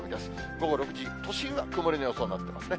午後６時、都心は曇りの予想になってますね。